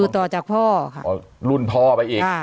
ต่อจากพ่อค่ะรุ่นพ่อไปอีก